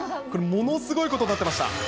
これものすごいことになってました。